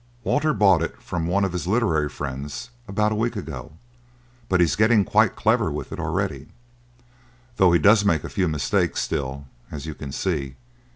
Walter bought it from one of his literary friends about a week ago; but he is getting quite clever with it already, though he does make a few mistakes still, as you can see."